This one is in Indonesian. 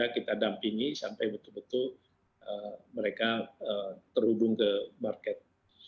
kita dampingi sampai betul betul mereka terhubung ke market